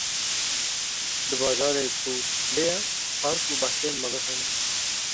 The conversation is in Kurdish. Li bajarê ku lê ye, park û baxçeyên mezin hene.